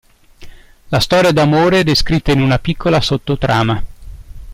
La storia d'amore è descritta in una piccola sottotrama.